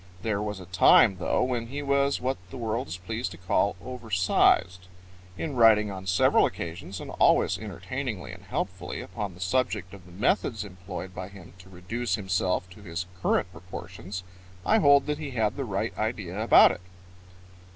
There was a time, though, when he was what the world is pleased to call over sized. In writing on several occasions, and always entertainingly and helpfully, upon the subject of the methods employed by him to reduce himself to his current proportions I hold that he had the right idea about it.